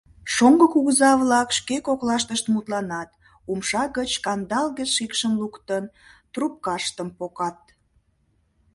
Шоҥго кугыза-влак шке коклаштышт мутланат, умша гыч кандалге шикшым луктын, трупкаштым поккат.